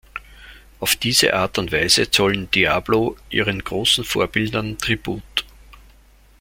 Auf diese Art und Weise zollen Diablo ihren großen Vorbildern Tribut.